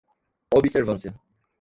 observância